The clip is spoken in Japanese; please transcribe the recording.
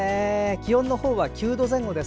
気温の方は９度前後です。